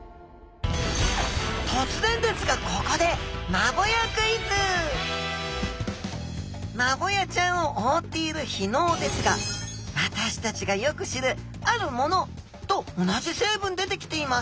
突然ですがここでマボヤちゃんを覆っている被のうですが私たちがよく知るあるものと同じ成分で出来ています。